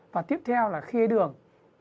và tiếp theo là khia đường